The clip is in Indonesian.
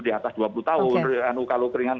di atas dua puluh tahun